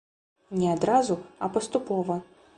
Не адразу, а паступова.